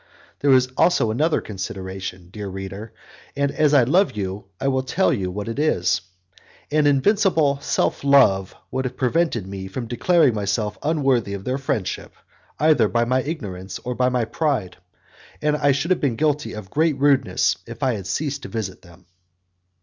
There is also another consideration, dear reader, and as I love you I will tell you what it is. An invincible self love would have prevented me from declaring myself unworthy of their friendship either by my ignorance or by my pride; and I should have been guilty of great rudeness if I had ceased to visit them.